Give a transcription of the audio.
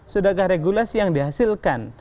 sudahkah regulasi yang dihasilkan